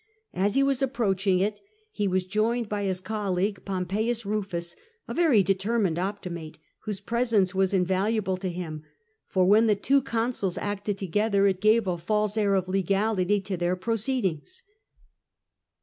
As he was approaching it he was joined by his colleague, Pompeius Eufus, a very determined Optimate, whose presence was invaluable to him, for when the two consuls acted together it gave a false air of legality to their proceedings.